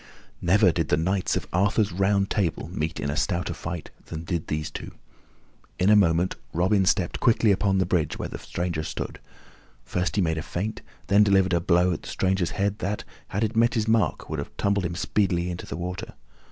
Never did the Knights of Arthur's Round Table meet in a stouter fight than did these two. In a moment Robin stepped quickly upon the bridge where the stranger stood; first he made a feint, and then delivered a blow at the stranger's head that, had it met its mark, would have tumbled him speedily into the water.